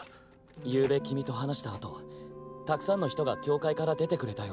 夕べ君と話したあとたくさんの人が教会から出てくれたよ。